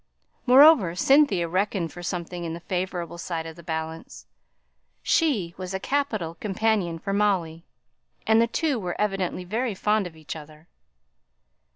Moreover, Cynthia reckoned for something on the favourable side of the balance. She was a capital companion for Molly; and the two were evidently very fond of each other.